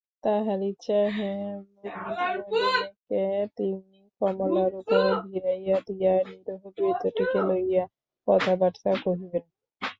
তাঁহার ইচ্ছা, হেমনলিনীকে তিনি কমলার উপর ভিড়াইয়া দিয়া নিরীহ বৃদ্ধটিকে লইয়াই কথাবার্তা কহিবেন।